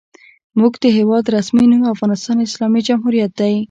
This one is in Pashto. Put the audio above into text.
زموږ د هېواد رسمي نوم افغانستان اسلامي جمهوریت دی.